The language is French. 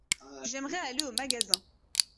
J’aimerais aller au magasin.